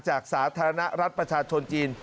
สาธารณรัฐประชาชนจีน